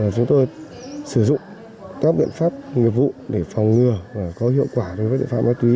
chúng tôi sử dụng các biện pháp nghiệp vụ để phòng ngừa và có hiệu quả đối với tội phạm ma túy